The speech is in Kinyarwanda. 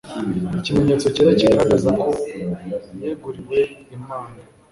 ikimenyetso cyera kigaragaza ko yeguriwe imana